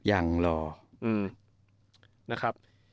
อย่างเหรอ